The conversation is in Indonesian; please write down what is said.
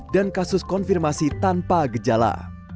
kasus konfirmasi tanpa gejala